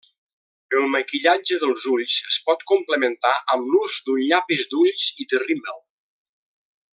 El maquillatge dels ulls es pot complementar amb l'ús d'un llapis d'ulls i de rímel.